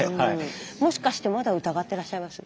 もしかしてまだ疑ってらっしゃいます？